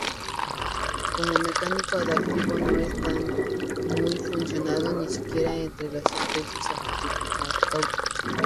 Como mecanismo adaptativo no está muy difundido, ni siquiera entre las especies acuáticas.